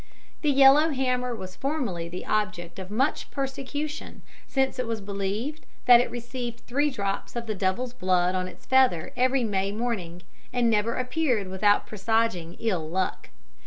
The yellow hammer was formerly the object of much persecution, since it was believed that it received three drops of the devil's blood on its feather every May morning, and never appeared without presaging ill luck.